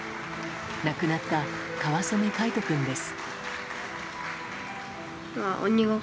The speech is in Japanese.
亡くなった川染凱仁君です。